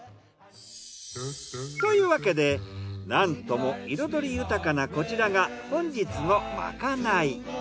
というわけでなんとも彩り豊かなこちらが本日のまかない。